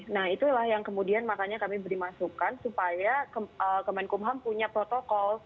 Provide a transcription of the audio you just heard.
nah itulah yang kemudian makanya kami beri masukan supaya kemenkumham punya protokol